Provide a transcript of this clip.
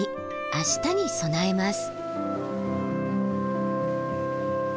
明日に備えます。